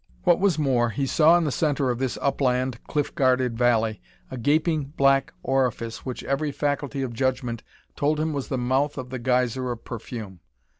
What was more, he saw in the center of this upland, cliff guarded valley, a gaping black orifice which every faculty of judgment told him was the mouth of the geyser of perfume.